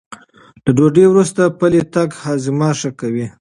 له ډوډۍ وروسته پلی تګ هاضمه ښه کوي.